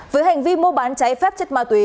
với hành vi mua bán trái phép chất ma túy